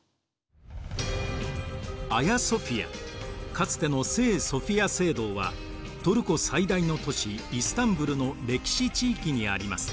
かつての聖ソフィア聖堂はトルコ最大の都市イスタンブルの歴史地域にあります。